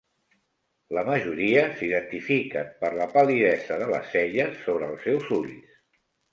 La majoria s'identifiquen per la pal·lidesa de les "celles" sobre els seus ulls.